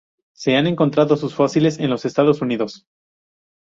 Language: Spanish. Se han encontrado sus fósiles en los Estados Unidos.